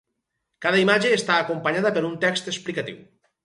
Cada imatge està acompanyada per un text explicatiu.